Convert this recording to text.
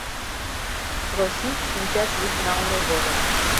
Проси шинчаш вӱд налме годым